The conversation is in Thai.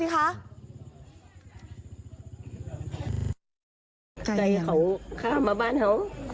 เข้ามาบ้านเค้า